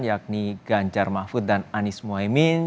yakni ganjar mahfud dan anies mohaimin